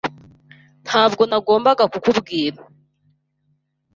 Ntabwo nagombaga kukubwira.